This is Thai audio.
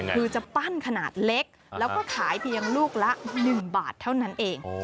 คือจะปั้นขนาดเล็กแล้วก็ขายเพียงลูกละ๑บาทเท่านั้นเอง